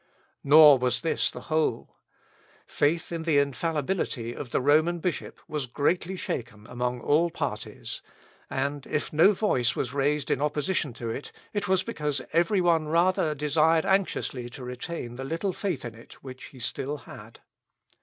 Nor was this the whole. Faith in the infallibility of the Roman bishop was greatly shaken among all parties; and, if no voice was raised in opposition to it, it was because every one rather desired anxiously to retain the little faith in it which he still had.